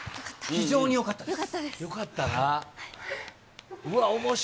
非常によかったです。